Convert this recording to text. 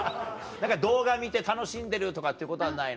何か動画見て楽しんでるとかっていうことはないの？